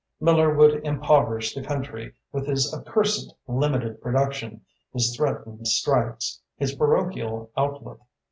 Miller would impoverish the country with his accursed limited production, his threatened strikes, his parochial outlook.